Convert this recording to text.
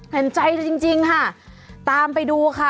เห็นใจจริงค่ะตามไปดูค่ะ